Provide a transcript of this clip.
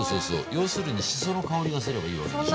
要するにしその香りがすればいいわけでしょ。